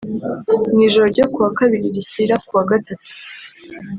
Mu ijoro ryo kuwa Kabiri rishyira kuwa Gatatu